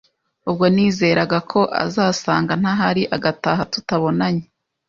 Ubwo nizeraga ko azasanga ntahari agataha tutabonanye.